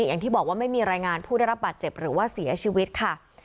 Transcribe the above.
อย่างที่บอกว่าไม่มีรายงานผู้ได้รับบาดเจ็บหรือว่าเสียชีวิตค่ะ